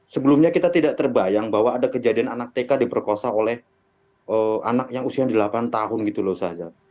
sebelumnya kita tidak terbayang bahwa ada kejadian anak tk diperkosa oleh anak yang usia delapan tahun gitu loh saza